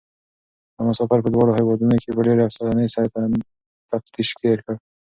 دا مسافر په دواړو هېوادونو کې په ډېرې اسانۍ سره تفتيش تېر کړ.